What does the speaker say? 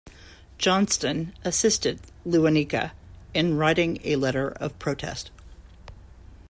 Johnston assisted Lewanika in writing a letter of protest.